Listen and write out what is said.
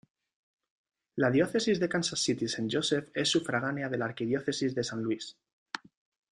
La Diócesis de Kansas City-Saint Joseph es sufragánea de la Arquidiócesis de San Luis.